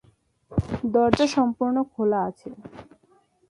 দরজা সম্পূর্ণ খোলা আছে।